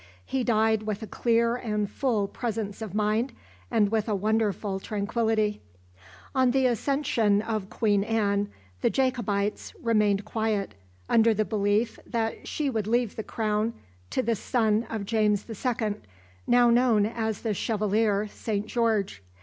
He died with a clear and full presence of mind, and with a wonderful tranquillity. On the accession of Queen Anne, the Jacobites remained quiet, under the belief that she would leave the crown to the son of James the Second, now known as the Chevalier Saint George.